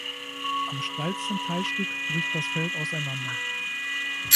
Am steilsten Teilstück bricht das Feld auseinander.